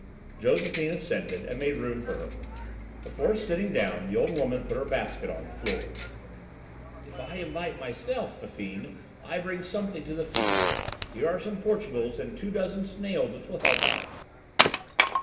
Josephine assented and made room for her. Before sitting down the old woman put her basket on the floor. "If I invite myself, Fifine, I bring something to the feast. Here are some portugals and two dozen snails which will help out."